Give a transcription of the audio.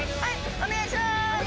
お願いします。